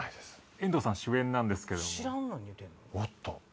・遠藤さん主演なんですけども・おっと！